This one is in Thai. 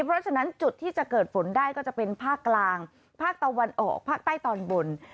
เพราะฉะนั้นจุดที่จะเกิดฝนได้ก็จะเป็นภาคกลางภาคตะวันออกภาคใต้ตอนบน